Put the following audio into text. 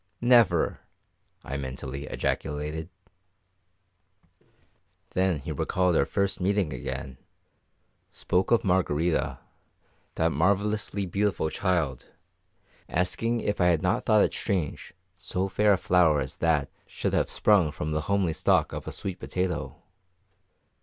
"Never!" I mentally ejaculated. Then he recalled our first meeting again, spoke of Margarita, that marvellously beautiful child, asking if I had not thought it strange so fair a flower as that should have sprung from the homely stalk of a sweet potato?